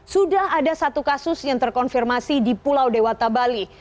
sudah ada satu kasus yang terkonfirmasi di pulau dewata bali